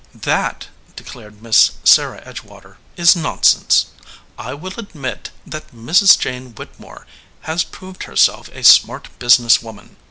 "That," declared Miss Sarah Edgewater, "is 187 EDGEWATER PEOPLE nonsense. I will admit that Mrs. Jane Whittemore has proved herself a smart business woman.